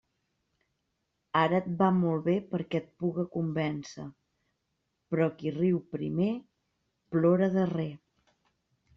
Ara et va molt bé perquè et puga convèncer: però qui riu primer, plora darrer.